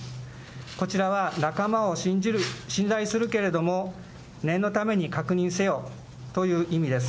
こちらは仲間を信じる、信頼するけれども、念のために確認せよという意味です。